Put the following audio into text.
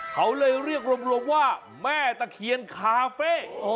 เขาเลยเรียกรวมว่าแม่ตะเคียนคาเฟ่